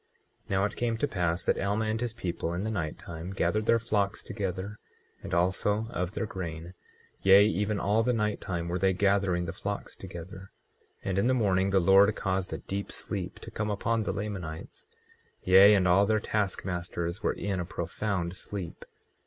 24:18 Now it came to pass that Alma and his people in the night time gathered their flocks together, and also of their grain; yea, even all the night time were they gathering the flocks together. 24:19 And in the morning the Lord caused a deep sleep to come upon the Lamanites, yea, and all their task masters were in a profound sleep.